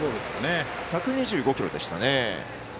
１２５キロでした。